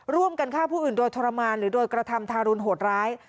ร่วมกันฆ่าผู้อื่นโดยทรมานหรือโดยกระทำทารุณโหดร้าย